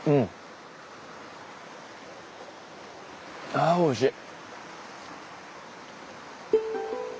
ああおいしい。